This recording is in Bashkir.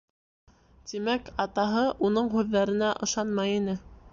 Тимәк, атаһы уның һүҙҙәренә ышанмай ине.